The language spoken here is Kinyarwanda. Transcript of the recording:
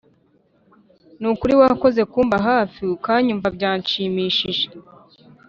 Nukuri wakoze kumba hafi ukanyumva byanshimishije